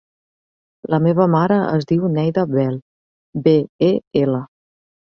La meva mare es diu Neida Bel: be, e, ela.